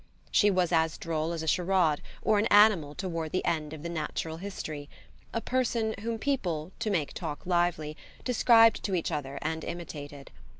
She was as droll as a charade or an animal toward the end of the "natural history" a person whom people, to make talk lively, described to each other and imitated.